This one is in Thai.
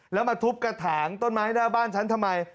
แล้วมาทุบกระถางต้นไม้หน้าบ้านฉันทำไม